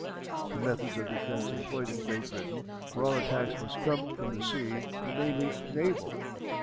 The methods of defence employed in Great Britain, where all attacks must come from the sea, were mainly naval.